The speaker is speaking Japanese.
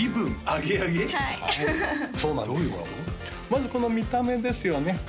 まずこの見た目ですよね